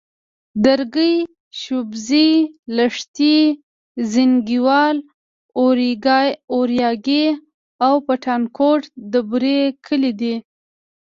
درگۍ، شبوزې، لښتي، زينگيوال، اورياگی او پټانکوټ د بوري کلي دي.